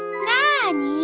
なあに？